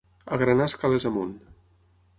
Agranar escales amunt.